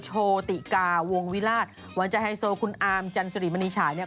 โชติกาวงวิราชวันใจไฮโซคุณอาร์มจันสุริมณีฉายเนี่ย